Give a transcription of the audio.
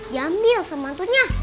jambil sama antunya